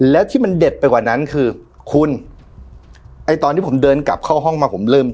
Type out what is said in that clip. แล้วที่มันเด็ดไปกว่านั้นคือคุณไอ้ตอนที่ผมเดินกลับเข้าห้องมาผมเริ่ม